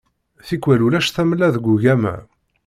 Tikwal ulac tamella deg ugama.